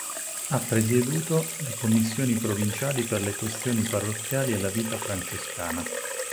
Ha presieduto le Commissioni provinciali per le questioni parrocchiali e la vita francescana.